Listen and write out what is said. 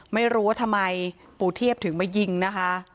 ไม่รู้ว่าทำไมปู่เทียบถึงมายิงนะคะ